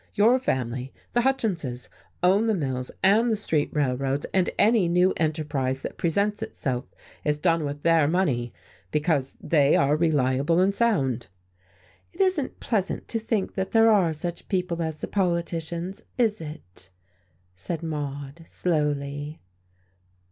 "Your family, the Hutchinses, own the mills and the street railroads, and any new enterprise that presents itself is done with their money, because they are reliable and sound." "It isn't pleasant to think that there are such people as the politicians, is it?" said Maude, slowly.